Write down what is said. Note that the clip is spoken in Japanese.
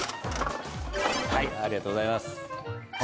ありがとうございます。